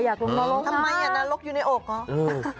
ทำไมนรกอยู่ในอกเหรอ